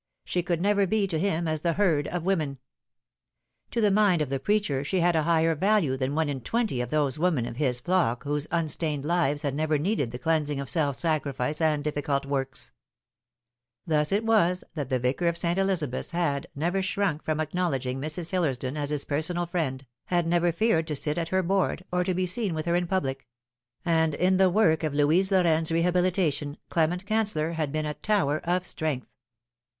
She could never be to him as the herd of women. To the mind of the preacher she had a higher value than one in twenty of those women of his flock whose unstained lives had never needed the cleansing of self sacrifice and difficult works. Thus it was that the Vicar of St. Elizabeth's had never shrunk from acknowledging Mrs. Hillor&dott as his personal 110 The Fatal Three. friend, had never feared to sit at her board, or to be seen with her in public ; and in the work of Louise Lorraine's rehabilita tion Clement Canceller had been a tower of strength.